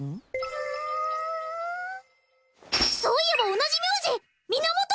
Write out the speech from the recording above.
はあそういえば同じ名字源！